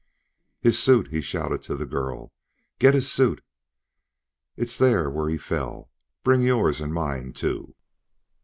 "His suit!" he shouted to the girl. "Get his suit! It's there where he fell! Bring yours and mine, too!"